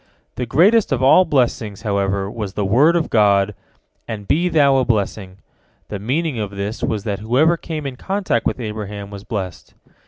The greatest of all blessings, however, was the word of God, "And be thou a blessing." The meaning of this was that whoever came in contact with Abraham was blessed.